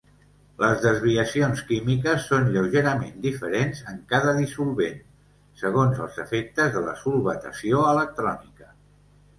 Les desviacions químiques són lleugerament diferents en cada dissolvent, segons els efectes de la solvatació electrònica.